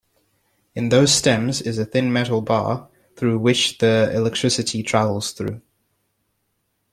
In those stems is a thin metal bar through which the electricity travels through.